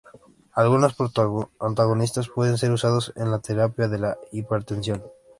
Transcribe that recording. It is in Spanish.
Algunos antagonistas pueden ser usados en la terapia de la hipertensión.